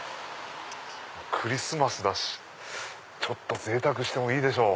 クリスマスだしぜいたくしてもいいでしょう。